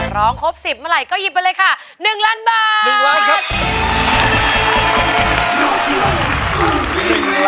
ครบ๑๐เมื่อไหร่ก็หยิบไปเลยค่ะ๑ล้านบาท